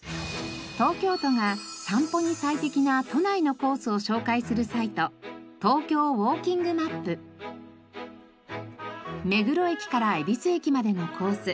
東京都が散歩に最適な都内のコースを紹介するサイト目黒駅から恵比寿駅までのコース。